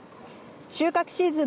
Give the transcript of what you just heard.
収穫シーズン